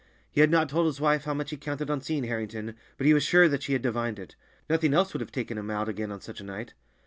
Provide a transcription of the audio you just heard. He had not told his wife how much he counted on seeing Harrington, but he was sure that she had divined it—nothing else would have taken him out again on such a night.